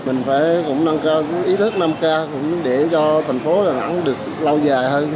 mình phải cũng nâng cao ý thức năm k cũng để cho thành phố đà nẵng được lâu dài hơn